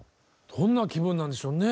どんな気分なんでしょうね？